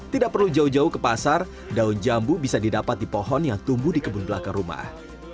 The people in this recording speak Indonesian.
tidak perlu jauh jauh ke pasar daun jambu bisa didapat di pohon yang tumbuh di kebun belakang rumah